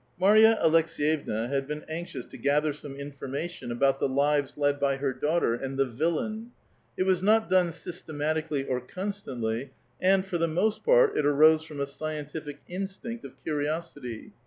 Marva Alekseyevna had been anxious to gather some in formation aliout the lives led bv her daughter and the " vil lain." It was not done systematically or constantly, and, for the most i)art, it arose from a scientitie instinct of cun osity.